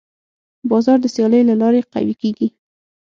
بازار د سیالۍ له لارې قوي کېږي.